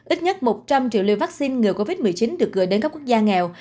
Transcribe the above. ít nhất một trăm linh triệu liều vaccine ngừa covid một mươi chín được gửi đến các quốc gia nghèo